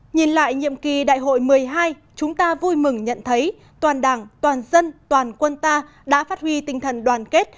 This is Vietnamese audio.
nhìn lại nhiệm kỳ đại hội một mươi hai chúng ta vui mừng nhận thấy toàn đảng toàn dân toàn quân ta đã phát huy tinh thần đoàn kết